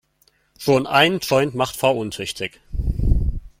Schon ein Joint macht fahruntüchtig.